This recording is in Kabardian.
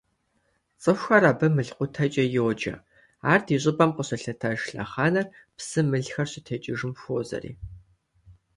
ЦӀыхухэр абы «мылкъутэкӀэ» йоджэ, ар ди щӀыпӀэм къыщылъэтэж лъэхъэнэр псым мылхэр щытекӀыжым хуозэри.